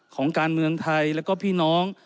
ของการเมืองไทยแล้วก็พี่น้อง